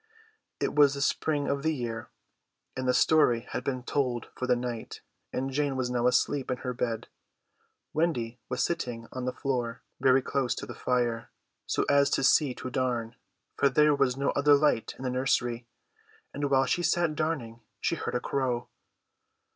It was the spring of the year, and the story had been told for the night, and Jane was now asleep in her bed. Wendy was sitting on the floor, very close to the fire, so as to see to darn, for there was no other light in the nursery; and while she sat darning she heard a crow.